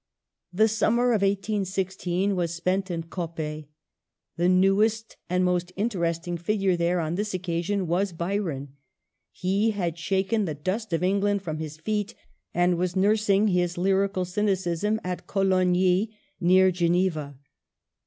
The summer of 1816 was spent in Coppet The newest and most interesting figure there on this occasion was Byron. He had shaken the dust of England from his feet, and was nursing his lyrical cynicism at Cologny near Geneva.